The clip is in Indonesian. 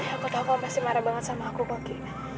aku tau kau pasti marah banget sama aku koki